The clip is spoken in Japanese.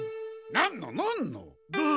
なんのなんの。